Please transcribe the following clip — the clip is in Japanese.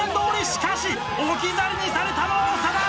しかし置き去りにされたのは長田！